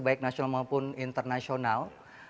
baik nasional maupun internasional